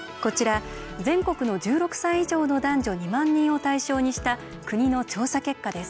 全国の１６歳以上の男女２万人を対象にした国の調査結果です。